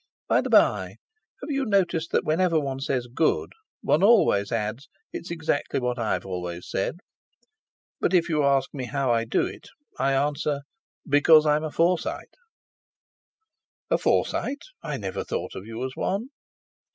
By the bye, have you noticed that whenever one says 'Good,' one always adds 'it's exactly what I've always said'. But if you ask me how I do it, I answer, because I'm a Forsyte." "A Forsyte! I never thought of you as one!"